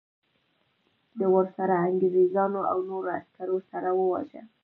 د ورسره انګریزانو او نورو عسکرو سره وواژه.